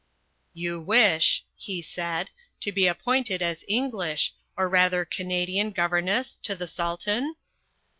"You wish," he said, "to be appointed as English, or rather Canadian governess to the Sultan?"